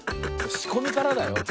しこみからだよ。